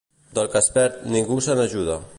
Del que es perd, ningú se n'ajuda.